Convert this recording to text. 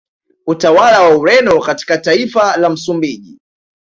Utawala wa Ureno katika taifa la Msumbiji